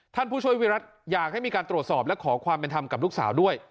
ผู้ช่วยวิรัติอยากให้มีการตรวจสอบและขอความเป็นธรรมกับลูกสาวด้วย